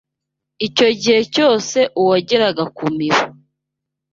Icyo gihe cyose uwageraga ku miba